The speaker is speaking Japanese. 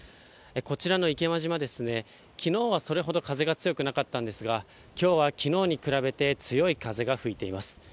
こちらの池間島、きのうはそれほど風が強くなかったんですが、きょうは機能に比べて強い風が吹いています。